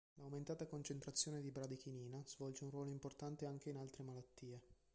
L'aumentata concentrazione di bradichinina svolge un ruolo importante anche in altre malattie.